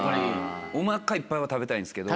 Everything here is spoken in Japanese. お腹いっぱいは食べたいんですけど。